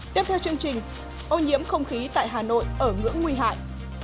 tiếp theo chương trình ô nhiễm không khí tại hà nội ở ngưỡng nguy hại